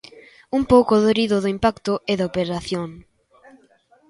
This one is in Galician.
Un pouco dorido do impacto e da operación.